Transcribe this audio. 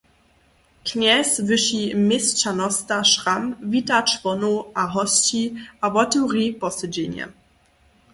Knjez wyši měsćanosta Schramm wita čłonow a hosći a wotewri posedźenje.